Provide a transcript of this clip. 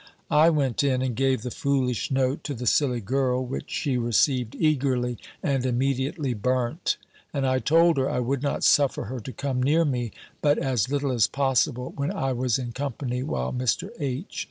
I went in, and gave the foolish note to the silly girl, which she received eagerly, and immediately burnt; and I told her, I would not suffer her to come near me but as little as possible, when I was in company while Mr. H.